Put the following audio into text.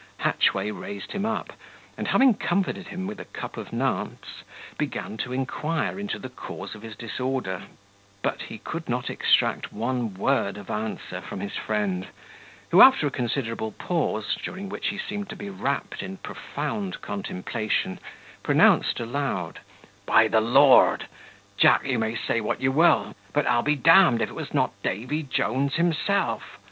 Hatchway raised him up, and having comforted him with a cup of Nantz, began to inquire into the cause of his disorder: but he could not extract one word of answer from his friend, who, after a considerable pause, during which he seemed to be wrapt in profound contemplation, pronounced aloud, "By the Lord! Jack, you may say what you wool; but I'll be d if it was not Davy Jones himself.